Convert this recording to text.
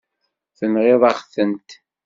Tenɣiḍ-aɣ-tent.